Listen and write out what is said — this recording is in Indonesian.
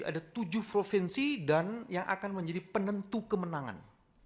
ada tujuh provinsi dan yang akan menjadi penentu kemenangan